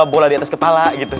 bola di atas kepala gitu